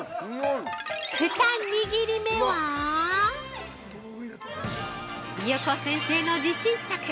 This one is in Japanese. ◆２握り目はゆこ先生の自信作！